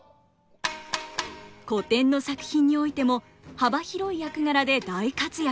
古典の作品においても幅広い役柄で大活躍。